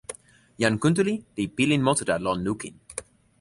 jan Kuntuli li pilin monsuta lon lukin.